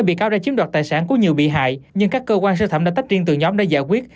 bị cáo đã chiếm đoạt tài sản của nhiều bị hại nhưng các cơ quan sơ thẩm đã tách riêng từ nhóm để giải quyết